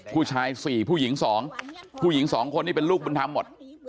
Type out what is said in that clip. ผู้ชายสี่ผู้หญิงสองผู้หญิงสองคนนี่เป็นลูกมันทำหมด